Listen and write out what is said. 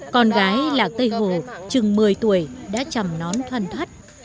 con gái là tây hồ chừng một mươi tuổi đã chầm nón thoan thoát